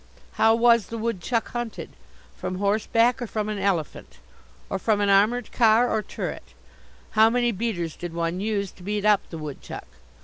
How was the woodchuck hunted? From horseback or from an elephant? Or from an armoured car, or turret? How many beaters did one use to beat up the woodchuck?